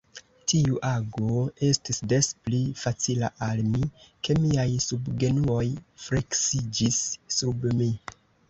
Tiu ago estis des pli facila al mi, ke miaj subgenuoj fleksiĝis sub mi.